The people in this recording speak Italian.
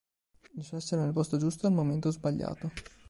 Il suo essere nel posto giusto al momento sbagliato.